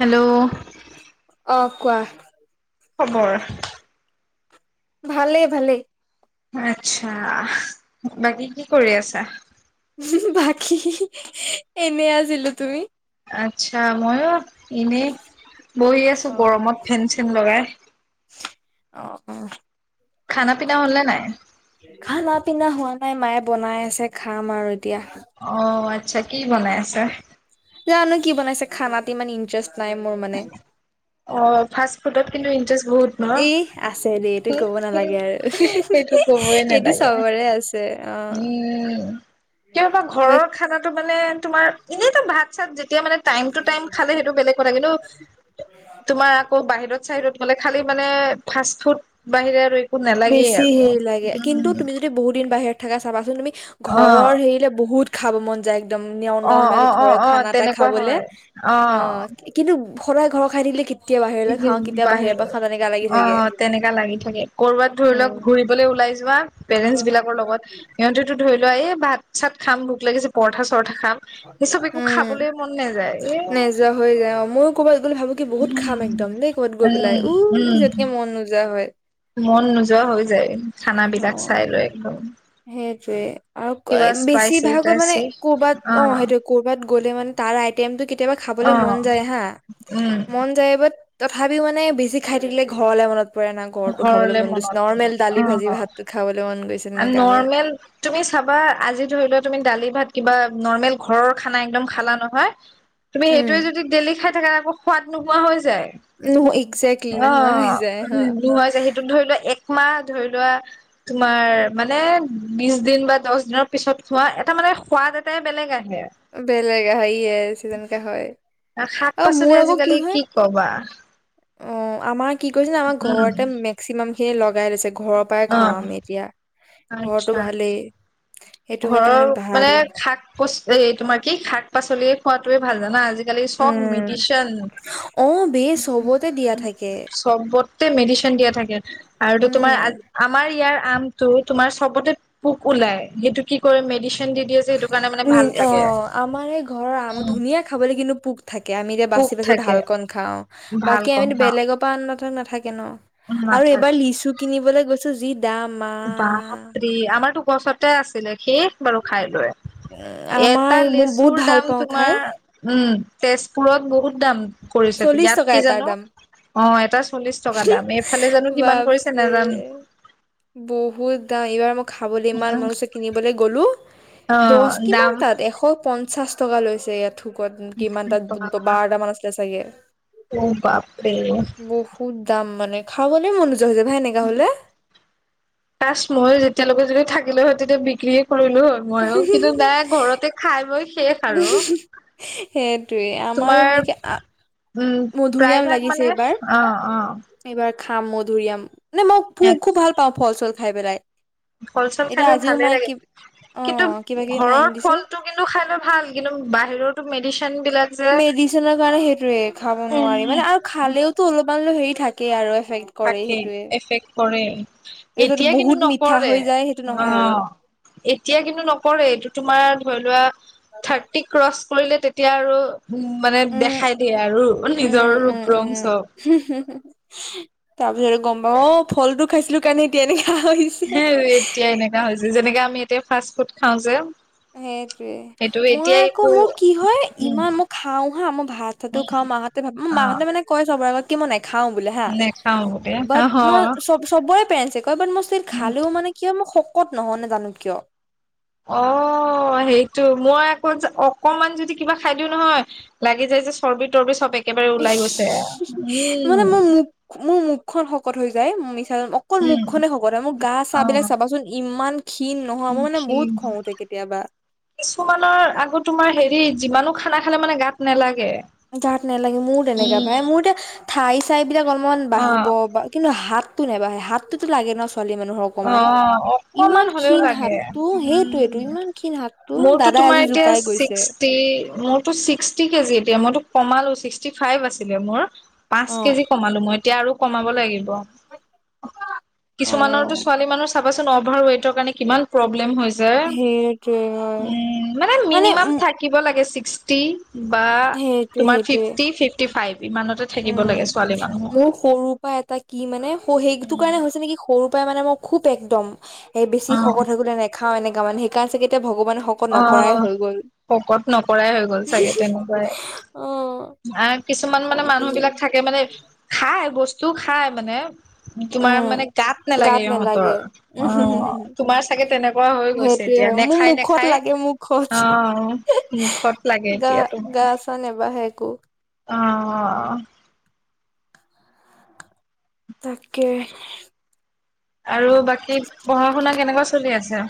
Hello অহ কোৱা। খবৰ? ভালেই ভালেই। আচ্ছা। বাকী কি কৰি আছা? বাকী এনে আছিলো। তুমি? আচ্ছা। ময়ো এনে বহি আছো গৰমত ফেন চেন লগাই। অ অ খানা পিনা হ'ল নে নাই? খানা পিনা হোৱা নাই মায়ে বনাই আছে খাম আৰু দিয়া। অ আচ্ছা। কি বনাই আছে? জানো কি বনাইছে? খানাত ইমান ইণ্টাৰেষ্ট নাই মোৰ মানে। অ ফাষ্ট ফুডত কিন্তু ইন্টাৰেষ্ট বহুত ন এই আছে দেই এইটো কব নালাগে আৰু। সেইটো এই কবই এইটো নালাগে চবৰে আছে। অ উম কিয়বা বাট ঘৰৰ খানাটো পালে তোমাৰ- এনেইতো ভাত চাত যেতিয়া মানে- টাইম টু টাইম খালে সেইটো বেলেগ কথা কিন্তু তোমাৰ আকৌ বাহিৰত চাহিৰত- গলে খালি মানে ফাষ্ট ফুড বাহিৰে আৰু। একো নালাগেই বেছি আৰু। সেই লাগে। কিন্তু উম, তুমি যদি বহুত দিন বাহিৰত- থাকে চাবাচোন তুমি। অ', ঘৰৰ হেৰিলে বহুত খাব মন যায়। একদম অ', নৰ্মেল অ', অ', ঘৰৰ অ', খানা পাই তেনেকুৱা খাবলে। হয়। অ কিন্তু সদায় ঘৰৰ খাই থাকিলে কেতিয়া বাহিৰলৈ খাওঁ কেতিয়া বাহিৰৰ পৰা খাওঁ তেনেকা লাগি থাকে। তাত লাগি থাকে। কৰবাত ধৰি লোৱা উম ঘুৰিবলৈ ওলাই যোৱা পেৰেন্টছ বিলাকৰ লগত। সিহঁতেতো ধৰি লোৱা এই ভাত, চাত খাম ভোক লাগিছে পৰঠা চৰঠা খাম এই চব একো খাবলৈ মন নাযায়, এ নোযোৱা হৈ যায় অ, ময়ো ক'বাত গলে ভাবো। বহুত খাম উম, একদম দেই ক'বাত গৈ পেলাই, উম, উ উম, পিছতকে মন নোযোৱা হয়। মন নোযোৱা হৈ যায় খানাবিলাক চায়লৈ, একদম। সেইটোয়ে কিবা আৰু বেছি স্পাইচি ভাগৰ মানে টাইচি কৰবাত, অ সেইটো। কৰ'বাত গ'লে মানে তাৰ আইটেমটো কেতিয়াবা অ খাবলে মন যায় হা, উম মন যায় বাট। তথাপিও মানে বেছি খাই থাকিলে ঘৰলৈ মনত পৰে। পৰে না ঘৰটো খাবলৈ ঘৰলে মন গৈছে, মনত নৰ্মেল দালি ভাজি ভাতটো খাবলৈ মন গৈছে অ তেনেকে, নৰ্মেল তুমি চাবা আজি ধৰি লোৱা তুমি দালি ভাত কিবা নৰ্মেল ঘৰৰ খানা একদম খালা নহয়। তুমি উম সেইটোৱে যদি ডেলি খাই থাকা, আকৌ সোৱাদ নোপোৱা হৈ যায়। উম্ ইজেক্টলি নোহোৱা হৈ যায় হ। কুহুৱা জালিটো সেইটো ধৰি লোৱা একমাহ ধৰি লোৱা। তোমাৰ মানে বিশ দিন বা দহ দিনৰ পিছত খোৱা, এটা মানে সোৱাদ এটাই বেলেগ আহে। বেলেগ আহে হয়, ই এচ যেনেকৈ হয়। শাক পাচলি আজিকালি কি কবা। অ আমাৰ কি কৰিছে জানও আমাৰ উম ঘৰতে মেক্সিমাম খিনি লগাই লৈছে। ঘৰৰ পৰাই অ খাওঁ আমি এতিয়া, ঘৰটো আচ্ছা ভালেই। সেইটো হ'লে ঘৰৰ ভাল মানে শাক পচলি এ তোমাৰ কি শাক- পাচলিয়ে খোৱাটোয়ে ভাল জানা, আজি- আজি -কালি চব উম মেডিচেন। অ বে চবতে দিয়া থাকে চবতে মেডিচেন দিয়া থাকে আৰু টো উম তোমাৰ, আমাৰ ইয়াৰ আমটো তোমাৰ চবতে পোক ওলাই সেইটো কি কৰে মেডিচিন দি দিয়ে যে এইটো। নি অ', আমাৰে এই ঘৰৰ আম উম, ধুনীয়া খাবলৈ, কিন্তু পোক থাকে আমি যে পোক বাচি বাচি থাকে ভালকন খাওঁ। ভাল বাকী কম আমিতো হা বেলেগৰ পৰা আনিলে নাথাকে ন'। আৰু এইবাৰ নাথাকে লিচু কিনিবলৈ গৈছোঁ যি দাম মা, বাপৰে আমাৰতো গছতে আছিলে, শেষ বাৰু খাই লৈ। আমাৰ এটা মই বহুত লেচুৰ ভাল দাম পাওঁ খাই তোমাৰ উম, তেজপুৰত বহুত দাম। কৰিছে, চল্লিশ ইয়াত টকা কি এটাৰ জানো? দাম অ', এটা চল্লিশ টকা দাম। এইফালে জানো কিমান কৰিছে বাপৰে নেজানো। বহুত দাম, এইবাৰ মই খাবলে ইমান মন গৈছে কিনিবলে গ'লো। অ দচ কিমান দাম তাত এশ পঞ্চাশ টকা লৈছে ইয়াত। থুকত কিমানাতা বাৰ'টা মান আছিলে চাগে। অ বাপৰে বুফ বহুত দাম মানে খাবলৈ মন নোযোৱা হৈছে, ভাই এনেকা হ'লে। কাঁছ মই যেতিয়ালৈকে যদি থাকিলে হয়, তেতিয়া বিক্ৰীেয়ে কৰিলোঁ হয়। মইও কিন্তু নাই ঘৰতে খাই বই শেষ। আৰু সেইটোৱে আমাৰো তোমাৰ হেণেকে আ উম, প্ৰায় ভাগ মানে অ', অ'। এইবাৰ খাম মধুৰিআম। নে মই খুব ভাল পাওঁ ফল চল খাই পেলাই। ফল চল এতিয়া খালে আজিও ভালে মায়ে লাগে। কি অ কিন্তু কিবা কিবি মায়ে আনি ঘৰৰ দিছে ফলটো কিন্তু খাই লৈ, ভাল কিন্তু বাহিৰৰতো মেডিচন বিলাক যে মেডিচনৰ কাৰণে সেইটোয়ে খাব নোৱাৰি উম মানে আৰু খালেও, তো অলপমান লৈ হেৰি থাকে আৰু এফেক্ট। কৰে থাকে সেইটোয়ে এফেক্ট কৰেই, এই যদি এতিয়া কিন্তু বহুত মিঠা নকৰে। হৈ যায় সেইটো নহয় আৰু অ'। এতিয়া কিন্তু নকৰে এইটো তোমাৰ ধৰি লোৱা থাৰ্টি ক্ৰচ কৰিলে তেতিয়া আৰু উম, মানে উম দেখাই দিয়ে আৰু নিজৰ ৰূপ ৰং চ'ব। হোম হোম হোম, তাৰ পিছতে গম পাওঁ, অ', ফলটো খাইছিলোঁ কাৰণে এতিয়া এনেকা হৈ- সেৰি এতিয়া এনেকা হৈছে, যেনেকা আমি এতিয়া ফাষ্ট ফুড খাওঁ যে। সেটোৱে। সেইটো মো- এতিয়া মই আকৌ একো মোৰ কি হয় উম ইমান মই খাওঁ হা, মই ভাততো উম খাওঁ মাহঁতে ভাব উম, অ মাহতে মানে- কয় চবৰে আগত কি মই নেখাওঁ বুলে হা। নেখাও গোটেই বাট মই চব চবৰে পেৰেণ্ট চেক হয়। বাট মই চিৰ অ খালেও মানে- কিয় মই শক'ত নহও নাজানো কিয়? অ', সেইটো মই আকৌ যে অকমান যদি কিবা খাই দিওঁ নহয়- লাগি যায় যে চৰ্বি তৰ্বি চব একেবাৰে ওলাই গৈছে। উম। মো মুখখন শকত হৈ যায়। মিছা- কৈ উম মুখখনে শকত হয়, মোৰ গা চা বিলাক অ' চাবাচোন ইমান- ক্ষীণ নহও মোৰ মানে বহুত খং উঠে কেতিয়াবা। কিছুমানৰ আকৌ তোমাৰ সেৰি যিমানো খানা খালে মানে গাত নালাগে। গাত নেলাগে মোৰ তেনেকা ভাই। মোৰ এতিয়া ঠাই চাই বিলাক অলপমান বাঢ়িব অ' বা- কিন্তু হাতটো নেবাঢ়ে হাতটোতো লাগে ন' ছোৱালী মানুহক- অকমান। অ' ইমান অকমান হ'লেও ক্ষীণ লাগে হাতটো সেইটোৱেটো উম ইমান ক্ষীণ হাতটো। দাদাই আজি জোকাই গৈছ- ষ্টে মোৰ- তোৰ চিক্সটি কেজি এতিয়া মইতো কমালোঁ চিক্সটি ফাইভ আছিলে মোৰ। পাঁচ অ কেজি- কমালোঁ মই এতিয়া আৰু কমাব লাগিব। অ কিছুমানৰটো- চাবাচোন অভাৰ ৱেটৰ কাৰণে কিমান- প্ৰব্লেম হৈ যে। সেইটোৱে হয় উম, মানে মিনিমাম থা- কিব লাগে চিক্সটি বা সেইটোৱে তোমাৰ সেইটোৱে ফিফটি ফিফটি ফাইভ ইমানতে- থাকিব লাগে ছোৱালী মানুহৰ। সৰু পাই এটা কি মানে স, সেইটো কাৰণে হৈছে নেকি সৰু পাৰাই মানে মই খুব একদম- সেই বেছি অ', শক'ত হৈ গ'লে নেখাওঁ এনেকা মানে। সেইকাৰণে চাগে এতিয়া ভগৱানে শক- অঁ, শক'ত নকৰাই হৈ গ'ল চাগে তেনেকুৱায়ে। অ', আ কিছুমান মানে খঙতে মানুহ যে বিলাক থাকে মানে খায় বস্তু খাই মানে। কিন্তু তোমাৰ মানে, উম, গাত নালাগে ইহঁতৰ। নেলাগে। উম, হু, হু, হু, অ', তোমাৰ চাগে তেনেকুৱা হৈ গৈছে সেইটোয়ে এতিয়া। হয় মোৰ নেখায় নে- মুখত লাগে মোৰ খজ। মুখত লাগে গা, এতিয়া গা চা নেবাহে একো। অঁ'। তাকে। আৰু বাকী, পঢ়া শুনা কেনেকুৱা চলি আছে?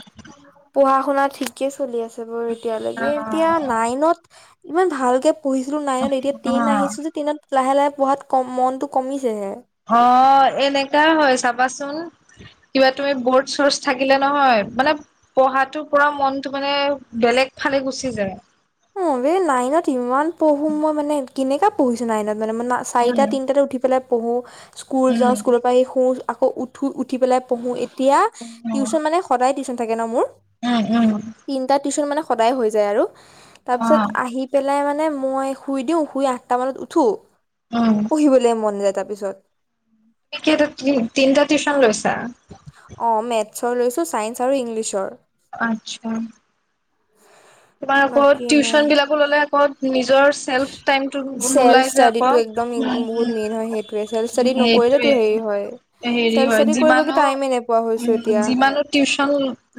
পঢ়া শুনা ঠিকে চলি আছে বাৰু এতিয়ালৈকে। এতিয়া অ', নাইনত- ইমান ভালকে পঢ়িছিলোঁ নাইনত। এতিয়া টেন অ', আহিছো যে, টেনত- লাহে লাহে পঢ়াত কম, মনটো কমিছেহে। অ', এনেকা হয় চাবাচোন। কিবা তুমি বৰ্ড চৰ্ছ থাকিলে নহয়, মানে- পঢ়াটোৰ পৰা মনতো মানে বেলেগ ফালে গুচি যায়। অ', এই নাইনত ইমান পঢ়োঁ মই মানে। কেনেকা পঢ়িছোঁ নাইনত। মানে- চাৰিটা উম, তিনটাতে উঠি পেলাই পঢ়োঁ। স্কুল যাওঁ, উম, স্কুলৰ পৰা আহি শুওঁ। আকৌ উঠো, উঠি পেলাই পঢ়োঁ। এতিয়া উম, টিউচন মানে, সদায় টিউচন থাকে ন মোৰ! উম, উম। তিনটা টিউচন মানে সদায় হৈ যায় আৰু। অ', তাৰপিছত আহি- পেলাই মানে, মই শুই দিওঁ। শুই আঠটামানত উঠোঁ। উম। পঢ়িবলৈ মন যায় তাৰপিছত। কেইটা তিন, তিনিটা টিউচন লৈছা? অ', মেথছৰ লৈছোঁ, ছাইন্ঞ্চৰ আৰু ইংলিছৰ। আচ্ছা। তোমাৰ আকৌ বাকী নাই টিউচন বিলাকো ল'লে আকৌ, নিজৰ। চেল্ফ টাইমটো চেল্ফ নোলাই যে ষ্টাডি টো আকৌ। একদম উম, বহুত মেইন হয় সেইটোয়ে। চেল্ফ। যদি নকৰিলেতো সেইটোৱে হেৰি হয়। হেৰি চেল্ফ হয় ষ্টাডি কৰিবগে যিমানো টাইমে নোপোৱা উ, হৈছো এতিয়া যিমানো। টিউচন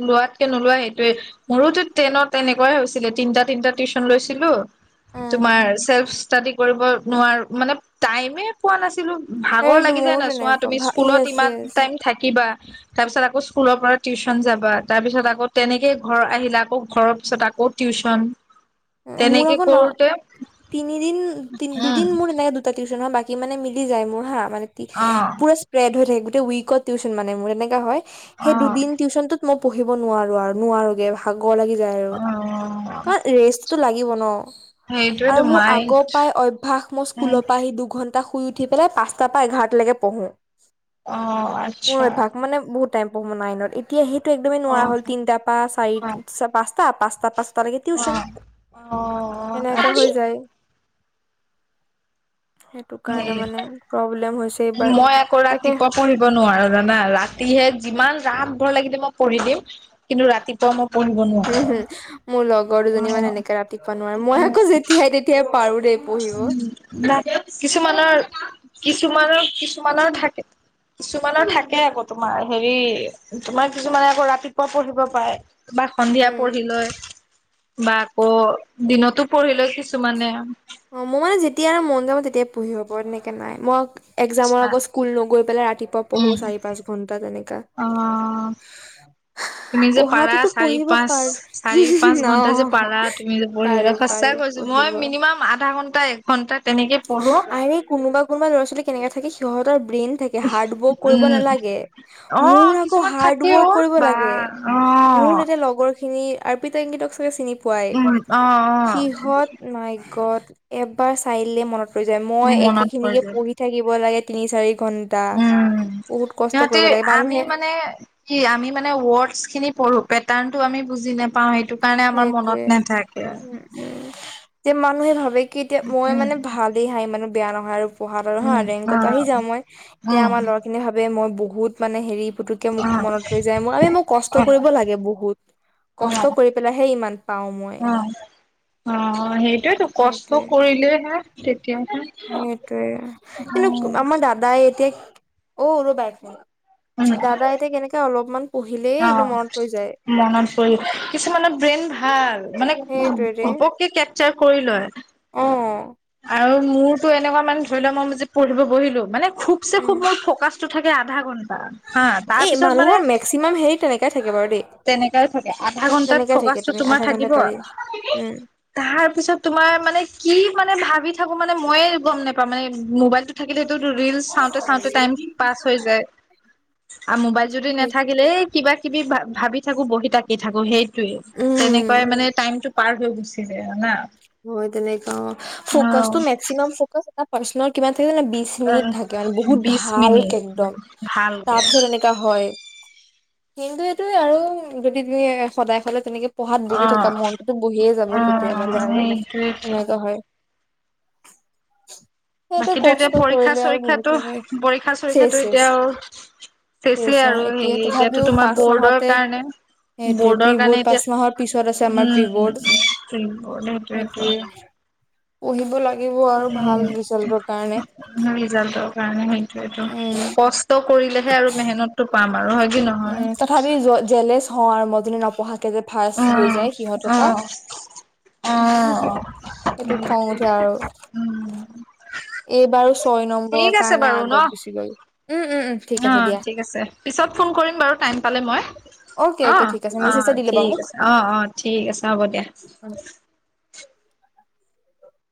লোৱাতকে নোলোৱা সেইটোৱে। মোৰোতো টেনত। তেনেকোৱাই হৈছিলে। তিনটা তিনটা টিউচন লৈছিলোঁ। উম, তোমাৰ চেল্ফচ। ষ্টাডি কৰিব নোৱাৰোঁ। মানে টাইমে। পোৱা নাছিলোঁ। ভাগৰ সেইটো লাগি যায় মোৰো নাই। চোৱা তেনেকুৱা তুমি, ভা স্কুলত য়েছ ইমান য়েছ টাইম থাকিবা। তাৰ পিছত আকৌ স্কুলৰ পৰা টিউচন যাবা। তাৰ পিছত আকৌ তেনেকেই ঘৰ আহিলা। আকৌ ঘৰত। তাপিছত আকৌ টিউচন। মোৰ তেনেকে আকৌ ন কৰোতে তিনিদিন তিন, উম দুদিন মোৰ এনেকে। দুটা টিউচনৰ বাকি মানে মিলি যায় মোৰ হা। মানে কি, অ পুৰা। পেদ হৈ থাকে। গোটেই উইকট টিউচন মানে মোৰ। এনেকা হয়, অ সেই দুদিন টিউচনটোত। মই পঢ়িব নোৱাৰো আৰু। নোৱাৰোগে, ভাগৰ লাগি যায় আৰু। অ কাৰণ ৰেষ্ট। তো লাগিব ন! আৰু সেইটোৱেতো মোৰ আগৰ মাইণ্ড পৰা অভ্যাস মোৰ, স্কুলৰ পৰা আহি দুঘন। টা শুই উঠি পেলাই পাঁচটাৰ পৰা এঘাৰটালৈকে পঢ়োঁ। অ মোৰ আচ্ছা অভ্যাস মানে বহুত। টেম্প পঢ়োঁ নাইনত। এতিয়া সেইটো একদমেই অ নোৱাৰা হ'ল। তিনিটাৰ পৰা চাৰি, অ পাঁচটা, পাঁচটা পা। পালেগে টিউচন। অ', অ', এনেকা হৈ আচ্ছা। যায়। সেইটো সেই কাৰণে মানে। প্ৰব্লেম হৈছে। এইবাৰ মই আকৌ তাকে ৰাতিপুৱা পঢ়ি। ব নোৱাৰোঁ জানা। ৰাতিহে যিমান ৰাত ভৰ লাগিলে মই পঢ়ি দিম। কিন্তু ৰাতিপুৱা মই পঢ়িব নোৱাৰো। হুম, হুম, মোৰ লগৰ দুজনী মানে অ', এনেকে ৰাতিপুৱা নোৱাৰে। মই আকৌ যেতিয়াই তেতিয়া। পাৰোঁ দেই। পঢ়িব উম, কিছুমানৰ, কিছুমানৰ, কিছুমানৰ থাকে। কিছুমানৰ থাকে আকৌ। তোমাৰ হেৰি, তোমাৰ কিছুমানে আকৌ ৰাতিপুৱা পঢ়িব পাৰে। বা সন্ধিয়া উম পঢ়ি লৈ। বা আকৌ দিনতো পঢ়িলৈ কিছুমানে। অ' মোৰ মানে যেতিয়া আৰু মন যাব তেতিয়া পঢ়ি পাৰো তেনেকে নাই মই। একজামৰ আচ্ছা, আগত স্কুল নগৈ পেলাই ৰাতিপুৱা পঢ়ো উম, চাৰি পাঁচ ঘন্টা তেনেকা। অ', শাহ। তুমি যে পাৰা চাৰি পাঁচ চাৰি পাঁচ ঘন্টা যে অ পাৰা তুমি যে পাৰো পঢ়িবলৈ সঁচা পাৰো কৈছোঁ। মই পঢ়িব মিনিমাম আধা ঘন্টা এক ঘন্টা তেনেকে পঢ়ো। আৰে কোনোবা কোনোবা লৰা ছোৱালী কেনেকে থাকে সিহঁতৰ ব্ৰেইন থাকে। কে হাৰ্ড ৱৰ্ক কৰিব উম নালাগে অ মোৰ আকৌ কিছুমান হাৰ্ড থাকে ৱৰ্ক অ কৰিব বা লাগে। অ মোৰ তাতে লগৰ খিনি আৰপিতা ইংগিতক চাগে চিনি পা। পোৱাই উম অ সিহঁত মাইগত এবাৰ চাই দিলেই মনত। ৰৈ যায় অ মই একে মনত পৰি খিনিকে যায় পঢ়ি থাকিব লাগে তিনি চাৰি ঘন। উম সিহঁতি আমি মানুহে মানে। কি আমি মানে ৱৰ্ডচ খিনি পঢ়ো পেটাৰ্নটো আমি বুজি নাপাও সেইটো। কাৰণে আমাৰ মনত নাথাকে। উ এতিয়া মানুহে ভাবে কি এতিয়া মই উম মানে ভালেই হাঁ ইমানো বেয়া নহয় আৰু। পঢ়াত আৰু হা উম অ ৰেংকত আহি যাওঁ মই এতিয়া উম আমাৰ ল'ৰাখিনি ভাবে মই বহুত মানে হেৰি পু। টোকে মোক অ মনত ৰৈ যায় আৰে মোৰ কষ্ট অ কৰিব লাগে বহুত কষ্ট কৰি। পেলাইহে ইমান পাওঁ মই। অ অ অ' সেইটোয়েতো কষ্ট সেইটোয়ে কৰিলেই হে তেতিয়াহে। সেইটোয়ে কিন্তু উম আমাৰ দাদাই এতিয়া অ' ৰবা একমিনিত দাদা এতিয়া কেনেকে অলপমান পঢ়িলেই অ একদম মনত পৰি যায় মনত পৰি কিছুমানৰ ব্ৰেইন ভাল মানে সেইটোৱে ৰে ঘপ ঘপকে কেপচাৰ কৰি লয়। অ'। আৰু মোৰতো এনেকুৱা মানে ধৰি লোৱা মই যে পঢ়িব বহিলো মানে খুব চে উম খুব মোৰ ফকাচ। টো থাকে আধা ঘণ্টা। এই মানুহৰ মেক্সিমাম হেৰি তেনেকাই থাকে বাৰু দেই। তেনেকাই থাকে আধা ঘন্টাত তেনেকাই থাকে ফকাচতটো তুমি তোমাৰ আধা ঘন্টা থাকিব পাৰি অ' মিনি। উম তাৰ পিছত তোমাৰ মানে কি মানে ভাবি থাকো মানে মইয়ে গম নেপাওঁ মানে মোবাইলটো থাকিলেটো টো ৰিলচ চাওঁতে চাওঁতে টাইম পাছ হৈ যায়। আৰু মোবাইল যদি সেই নাথাকিলে এই কিবা কিবি ভাবি থাকো বহিত আঁকি থাকো সেই টোৱে উম তেনেকুৱাই মানে টাইমটো পাৰ হৈ গুচি জাই জানা। মই তেনেকুৱাই অ' ফকাছটো মেক্সিমাম ফকাছ এটা পাৰ্চনৰ কিমান থাকে জানে বিশ। মিনিট থাকে মানে বহুত বিশ ভালকে মিনিট একদম ভালকে তাৰপিছত এনে কা হয় কিন্তু এইটোয়ে আৰু যদি তুমি সদায় সদায় তেনেকে। পঢ়াত বহি থাকা অ', মনতটোতো বহিয়ে যাব কেতিয়াবালে আৰু। উম উম। তেনেকুৱা হয়। সেইটোৱে বাকীটো এতিয়া কষ্ট পৰীক্ষা কৰিলে আৰু চৰীক্ষাতো বহুতে পৰীক্ষা চেচ চৰিক্ষাতো এতিয়া চেচ আৰু। চেচে চেচ অ আৰু এতিয়া হেৰি এতিয়াতো তথাপিও তোমাৰ পাঁচ বৰ্ডৰ মাহতে কাৰণে। সেইটোৱে প্ৰি বৰ্ডৰ বৰ্ড কাৰণে পাঁচ এতিয়া মাহৰ পিছত আছে আমাৰ প্ৰি বৰ্ড উম বৰ্ড সেইটোয়েটো। সেইটোয়ে পঢ়িব লাগিব আৰু ভাল ৰিজাল্টৰ কাৰণে। ভাল ৰিজাল্টৰ কাৰণে সেইটোৱেই টো উম কষ্ট কৰিলেহে আৰু মেহনতটো পাম। বাৰু হয় কি নহয়। উম তথাপি য জেলেচ হওঁ আৰু মই যদি নপঢ়াকে যে ফাৰচ হৈ অ', যায় সিহঁতৰ পা। অ', হুহু সেইটো অ', খং উঠে আৰু। উম, এইবাৰো ছয় ঠিক নম্বৰৰ আছে কাৰণে বাৰু ন? আগত গুচি গলো উম উম উম ঠিক আছে অ', দিয়া। ঠিক আছে পিছত ফোন কৰিম বাৰু টাইম পালে মই ঠিক আছে, অ' মেসেজটা অ' দিলে বা ঠিক মোক। আছে। অ' অ' ঠিক আছে হ'ব দিয়া।